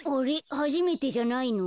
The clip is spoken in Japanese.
はじめてじゃないの？